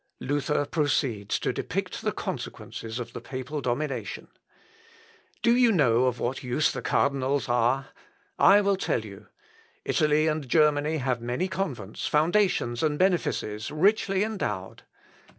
Luther proceeds to depict the consequences of the papal domination. "Do you know of what use the cardinals are? I will tell you. Italy and Germany have many convents, foundations, and benefices, richly endowed.